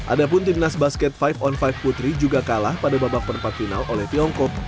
ada pun timnas basket lima on lima putri juga kalah pada babak perempat final oleh tiongkok